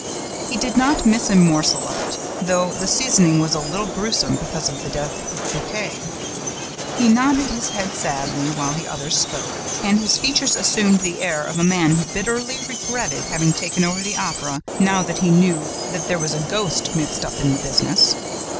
He did not miss a morsel of it, though the seasoning was a little gruesome because of the death of Buquet. He nodded his head sadly, while the others spoke, and his features assumed the air of a man who bitterly regretted having taken over the Opera, now that he knew that there was a ghost mixed up in the business.